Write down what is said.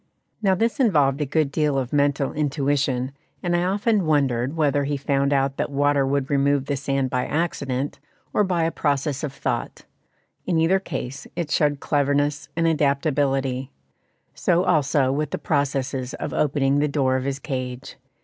Now this involved a good deal of mental intuition, and I often wondered whether he found out that water would remove the sand by accident, or by a process of thought; in either case, it showed cleverness and adaptability. So also with the processes of opening the door of his cage.